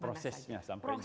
prosesnya sampai jadi